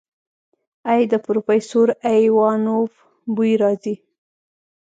ای د پروفيسر ايوانوف بوئ راځي.